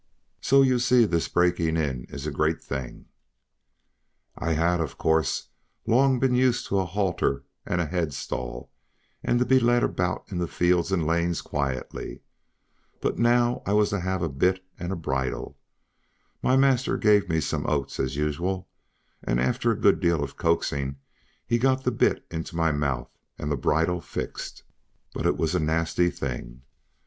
So you see this breaking in is a great thing. I had, of course, long been used to a halter and a head stall, and to be led about in the fields and lanes quietly, but now I was to have a bit and bridle; my master gave me some oats as usual, and after a good deal of coaxing he got the bit into my mouth and the bridle fixed, but it was a nasty thing!